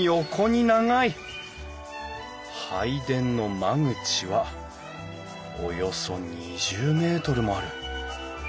拝殿の間口はおよそ２０メートルもある。